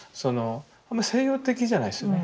あんま西洋的じゃないですよね